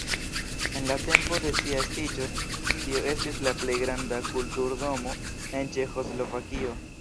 En la tempo de sia estiĝo tio estis la plej granda kulturdomo en Ĉeĥoslovakio.